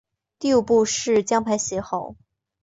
第五步是将牌写好。